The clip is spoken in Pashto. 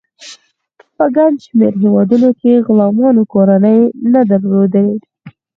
په ګڼ شمیر هیوادونو کې غلامانو کورنۍ نه درلودې.